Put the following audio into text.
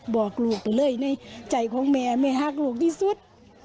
บอกลูกไปเลยในใจของแม่แม่ฮักลูกที่สุด